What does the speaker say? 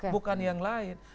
bukan yang lain